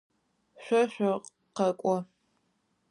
Шъо шъукъэкӏо.